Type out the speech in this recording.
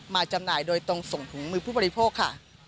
จำหน่ายโดยตรงส่งถุงมือผู้บริโภคค่ะ